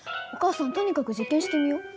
お母さんとにかく実験してみよ。